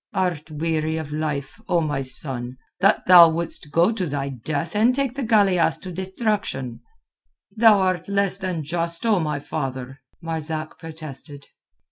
"Art weary of life, O my son, that thou wouldst go to thy death and take the galeasse to destruction?" "Thou art less than just, O my father," Marzak protested.